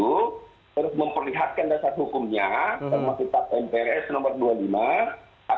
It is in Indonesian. harus memperlihatkan dasar hukumnya termasuk tap mprs nomor dua puluh lima